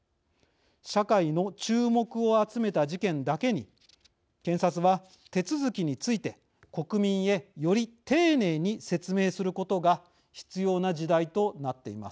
社会の注目を集めた事件だけに検察は手続きについて国民へより丁寧に説明することが必要な時代となっています。